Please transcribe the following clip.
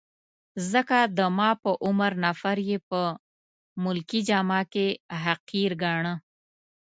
ځکه د ما په عمر نفر يې په ملکي جامه کي حقیر ګاڼه.